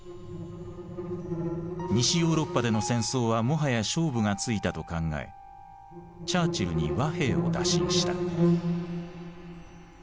西ヨーロッパでの戦争はもはや勝負がついたと考えチャーチルに和平を打診した。